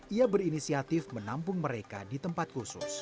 ia berinisiatif menampung mereka di tempat khusus